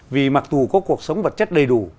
vì mặc dù có cuộc sống vật chất đầy đủ